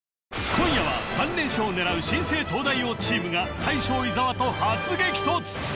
今夜は３連勝を狙う新生東大王チームが大将伊沢と初激突！